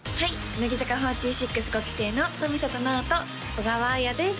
乃木坂４６５期生の冨里奈央と小川彩です